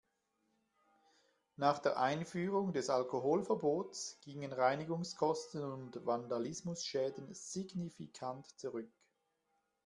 Nach der Einführung des Alkoholverbots gingen Reinigungskosten und Vandalismusschäden signifikant zurück.